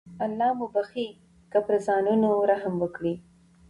الله مو بخښي که پر ځانونو رحم وکړئ.